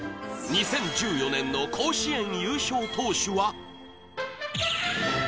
２０１４年の甲子園優勝投手は？